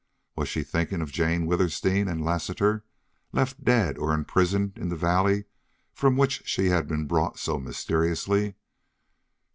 Was she thinking of Jane Withersteen and Lassiter, left dead or imprisoned in the valley from which she had been brought so mysteriously?